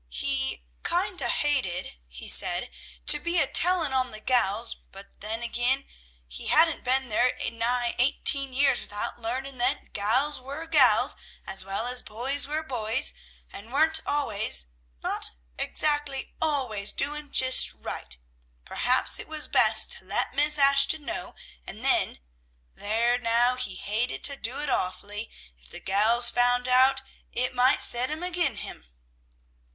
He "kind o' hated," he said, "to be a telling on the gals, but then, agin, he hadn't been there nigh eighteen years without learning that gals were gals, as well as boys were boys, and weren't allers not zactly allers doin' jist right; perhaps it was best to let Miss Ashton know, and then there now he hated to do it awfully. If the gals found it out it might set 'em agin him."